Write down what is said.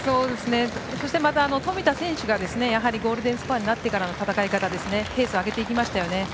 そしてまた冨田選手がゴールデンスコアになってからの戦い方でペースを上げていきましたよね。